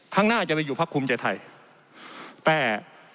ข้างหน้าจะไปอยู่พักภูมิใจไทยแต่